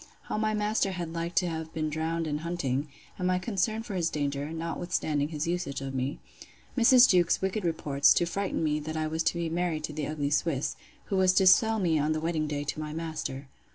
How my master had like to have been drowned in hunting; and my concern for his danger, notwithstanding his usage of me. Mrs. Jewkes's wicked reports, to frighten me, that I was to be married to the ugly Swiss; who was to sell me on the wedding day to my master.